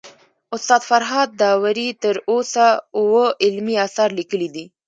استاد فرهاد داوري تر اوسه اوه علمي اثار ليکلي دي